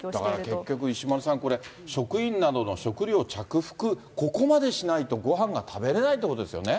だから結局、石丸さん、これ、職員などの食糧着服、ここまでしないと、ごはんが食べれないということですよね。